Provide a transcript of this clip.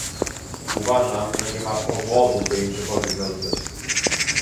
Uważam, że nie ma powodu, by im cokolwiek zarzucać